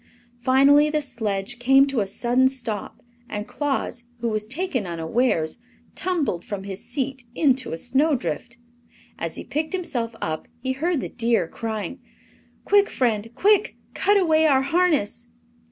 Finally the sledge came to a sudden stop and Claus, who was taken unawares, tumbled from his seat into a snowdrift. As he picked himself up he heard the deer crying: "Quick, friend, quick! Cut away our harness!"